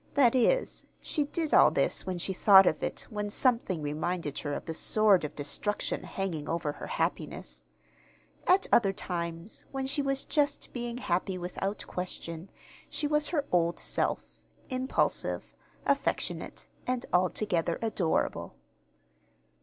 That is, she did all this when she thought of it when something reminded her of the sword of destruction hanging over her happiness. At other times, when she was just being happy without question, she was her old self impulsive, affectionate, and altogether adorable.